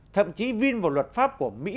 thậm chí viên vào luật pháp của mỹ